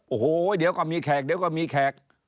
โอ้โหเดี๋ยวก็มีแขกเดี๋ยวก็มีแขก